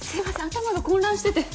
頭が混乱してて。